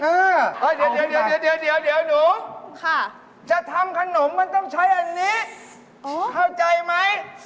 เออเดี๋ยวหนูจะทำขนมมันต้องใช้อันนี้เข้าใจไหม